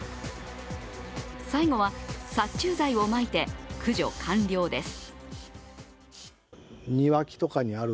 最後は殺虫剤をまいて駆除完了です。